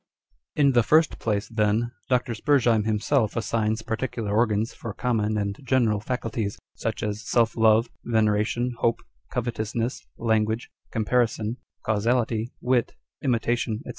l In the first place, then, Dr. Spurzheim himself assigns particular organs for common and general faculties â€" such as self love, veneration, hope, covetousness, language, com parison, causality, wit, imitation, &c.